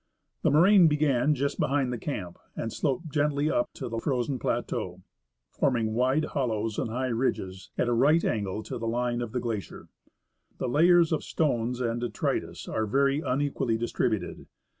The moraine began just behind the camp and sloped gently up to the frozen plateau, forming wide hollows and high ridges, at a right angle to the line of the glacier. The layers of stones and detritus are very unequally distributed.